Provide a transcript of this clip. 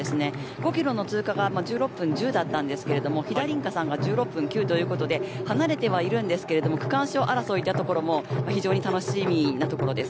５キロの通過が１６分１０だったんですが、飛田凛香さんが１６分９ということで離れてはいるものの区間賞争いというところも非常に楽しみなところです。